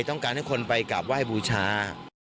ต้องการให้คนไปกลับไหว้บูชา